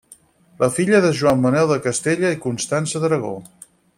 Filla de Joan Manuel de Castella i Constança d'Aragó.